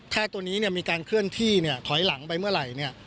ถ้าตัวนี้มีการเคลื่อนที่ถอยหลังไปเมื่อไหร่